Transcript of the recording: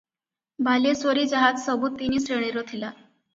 ବାଲେଶ୍ୱରୀ ଜାହାଜ ସବୁ ତିନି ଶ୍ରେଣୀର ଥିଲା ।